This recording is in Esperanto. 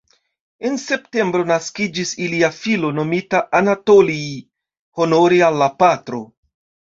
En septembro naskiĝis ilia filo nomita Anatolij, honore al la patro.